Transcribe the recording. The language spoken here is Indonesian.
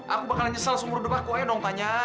aku bakalan nyesel seumur depaku ayo dong tanya